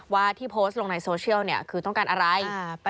ว่าที่โพสต์ลงในโซเชียลคือต้องการอะไร